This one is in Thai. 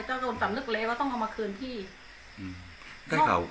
ถ้าคนสำนึกเลว่าต้องเอามาคืนพี่